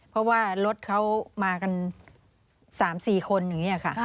เพราะว่ารถเขามากัน๓๔คนอย่างนี้ค่ะ